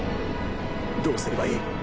どうすればいい？